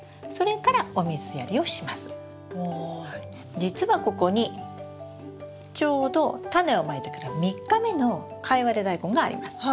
実はここにちょうどタネをまいてから３日目のカイワレダイコンがあります。